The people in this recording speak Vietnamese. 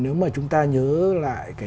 nếu mà chúng ta nhớ lại